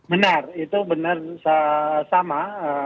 benar itu benar sama